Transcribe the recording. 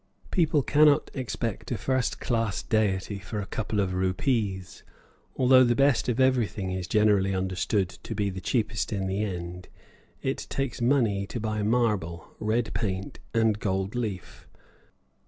People cannot expect a first class deity for a couple of rupees; although the best of everything is generally understood to be the cheapest in the end, it takes money to buy marble, red paint, and gold leaf.